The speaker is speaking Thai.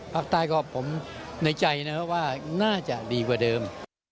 ภาคใต้ก็ผมในใจนะครับว่าน่าจะดีกว่าเดิม